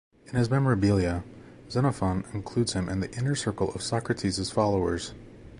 In his "Memorabilia", Xenophon includes him in the inner circle of Socrates' followers.